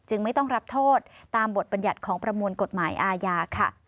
ไม่ต้องรับโทษตามบทบัญญัติของประมวลกฎหมายอาญาค่ะ